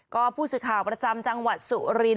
ก็ผู้สื่อข่าวประจำจังหวัดสุรินท